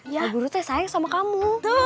guru guru teh sayang sama kamu